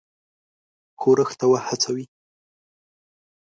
ښورښ ته وهڅوي.